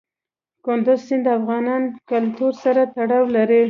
کندز سیند د افغان کلتور سره تړاو لري.